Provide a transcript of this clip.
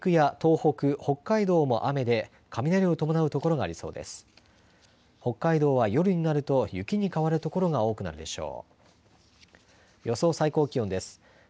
北海道は夜になると雪に変わる所が多くなるでしょう。